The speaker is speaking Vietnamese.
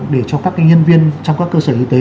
để cho các nhân viên trong các cơ sở y tế